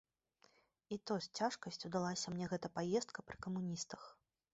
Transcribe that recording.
І то з цяжкасцю далася мне гэта паездка пры камуністах.